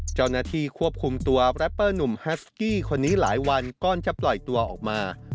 เจ้าหน้าที่ควบคุมตัวแรปเปอร์หนุ่มฮัสกี้คนนี้หลายวันก่อนจะปล่อยตัวออกมา